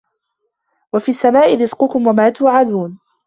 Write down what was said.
وَفِي السَّماءِ رِزقُكُم وَما توعَدونَ